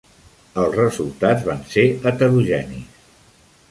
Els resultats van ser heterogenis.